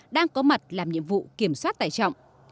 đang có mặt làm nhiệm vụ kiểm soát tài trọng